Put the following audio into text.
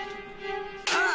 あっ！